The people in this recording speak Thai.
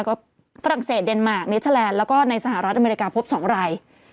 ก็ฝรั่งเศสเดนมาร์เนเทอร์แลนด์แล้วก็ในสหรัฐอเมริกาพบ๒ราย